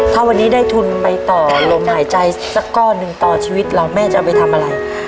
ถ้าวันนี้ได้ทุนไปต่อลมหายใจสักก้อนหนึ่งต่อชีวิตเราแม่จะเอาไปทำอะไร